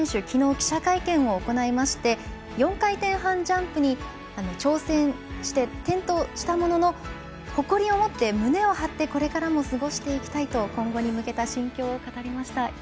きのう記者会見を行いまして４回転半ジャンプに挑戦して転倒したものの、誇りを持って胸を張ってこれからも過ごしていきたいと今後に向けた心境を語りました。